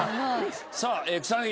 さあ草薙。